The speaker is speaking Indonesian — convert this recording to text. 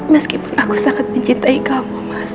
meskipun aku sangat mencintai kamu mas